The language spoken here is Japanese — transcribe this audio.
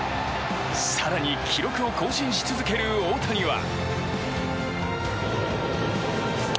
更に記録を更新し続ける大谷は。